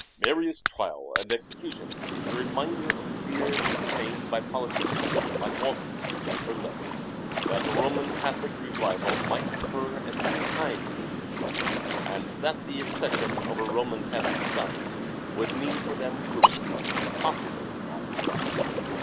Mary's trial and execution is a reminder of the Thc fears entertained by politicians like Walsingham and politicians. Burleigh that a Roman Catholic revival might occur at any time in England, and that the accession of a Roman Catholic sovereign would mean for them ruin and possibly loss of life.